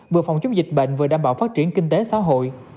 vừa phòng chống dịch bệnh vừa đảm bảo phát triển kinh tế xã hội